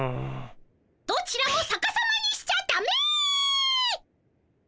どちらもさかさまにしちゃダメ！